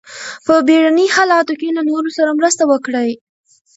په بیړني حالاتو کې له نورو سره مرسته وکړئ.